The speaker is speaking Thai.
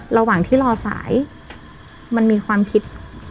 ระหว่างที่รอสายมันมีความผิด